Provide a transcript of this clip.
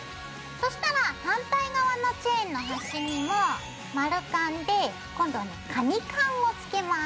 そしたら反対側のチェーンの端にも丸カンで今度はカニカンをつけます。